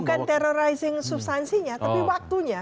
bukan terrorizing substansinya tapi waktunya